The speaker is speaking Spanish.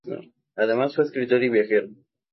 Además fue escritor y viajero.